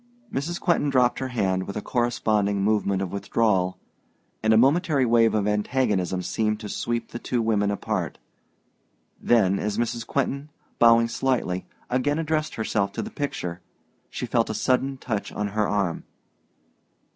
Mrs. Quentin dropped her hand with a corresponding movement of withdrawal, and a momentary wave of antagonism seemed to sweep the two women apart. Then, as Mrs. Quentin, bowing slightly, again addressed herself to the picture, she felt a sudden touch on her arm.